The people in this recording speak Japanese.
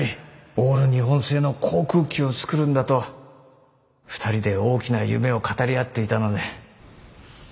オール日本製の航空機を作るんだと２人で大きな夢を語り合っていたので。